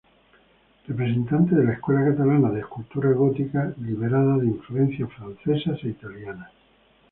Representante de la escuela catalana de escultura gótica liberada de influencias francesas e italianas.